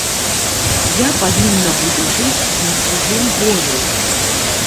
Я павінна буду жыць на чужым горы.